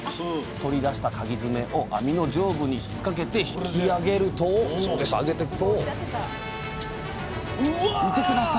取り出したかぎ爪を網の上部に引っ掛けて引きあげると見て下さい！